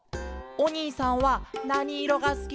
「おにいさんはなにいろがすきですか？